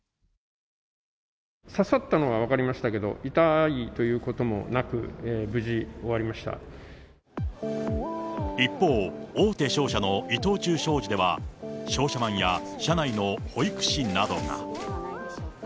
刺さったのは分かりましたけれども、痛いということもなく、一方、大手商社の伊藤忠商事では、商社マンや社内の保育士などが。